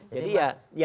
jadi ya tidak